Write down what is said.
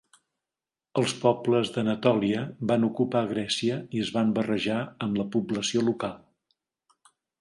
Els pobles d'Anatòlia van ocupar Grècia i es van barrejar amb la població local.